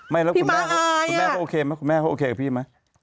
แม่เขาโอเคไหม